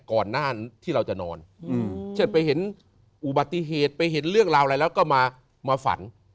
ก่อนหน้าที่เราจะนอนเช่นไปเห็นอุบัติเหตุไปเห็นเรื่องราวอะไรแล้วก็มาฝัน